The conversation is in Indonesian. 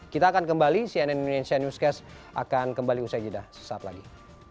kita akan kembali cnn indonesia newscast akan kembali usai jeda sesaat lagi